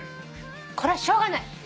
これはしょうがない。